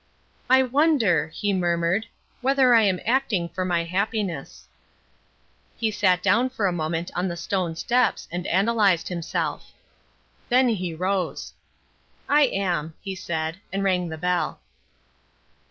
"I wonder," he murmured, "whether I am acting for my happiness." He sat down for a moment on the stone steps and analysed himself. Then he rose. "I am," he said, and rang the bell.